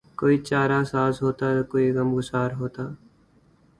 کوئی چارہ ساز ہوتا کوئی غم گسار ہوتا